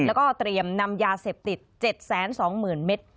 แล้วก็เตรียมนำยาเสพติด๗๒๐๐๐เมตร